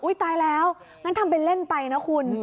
ตายแล้วงั้นทำเป็นเล่นไปนะคุณ